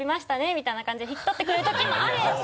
みたいな感じで引き取ってくれる時もあれば。